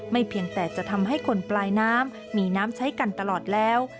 เพียงแต่จะทำให้คนปลายน้ำมีน้ำใช้กันตลอดแล้ว